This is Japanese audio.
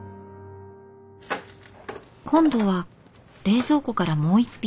今度は冷蔵庫からもう一品。